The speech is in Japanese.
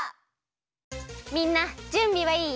みんなじゅんびはいい？